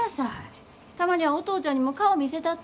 たまにはお父ちゃんにも顔見せたって。